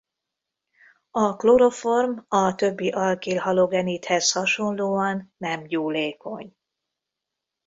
A kloroform a többi alkil-halogenidhez hasonlóan nem gyúlékony.